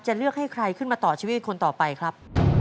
เลือกให้ใครขึ้นมาต่อชีวิตคนต่อไปครับ